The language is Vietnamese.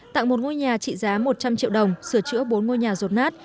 tặng một ngôi nhà trị giá một trăm linh triệu đồng sửa chữa bốn ngôi nhà rột nát